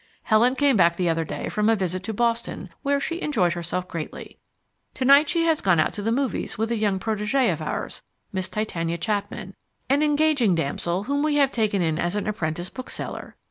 Helen came back the other day from a visit to Boston where she enjoyed herself greatly. To night she has gone out to the movies with a young protegee of ours, Miss Titania Chapman, an engaging damsel whom we have taken in as an apprentice bookseller.